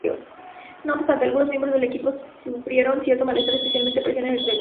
No obstante, algunos miembros del equipo sufrieron cierto malestar, especialmente presión en el pecho.